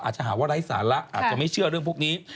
อาจจะหาว่าไร้สาระอาจจะไม่เชื่อเรื่องพวกนี้